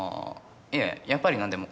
いえやっぱり何でも。